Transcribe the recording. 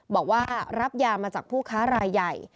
บอกว่ารับยามาจากผู้ค้ารายใหญ่